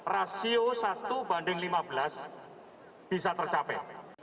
rasio satu banding lima belas bisa tercapai